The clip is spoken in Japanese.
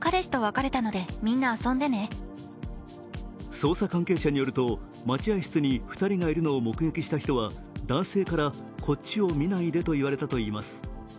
捜査関係者によると、待合室に２人がいるのを目撃した人は、男性からこっちを見ないでと言われたといいます。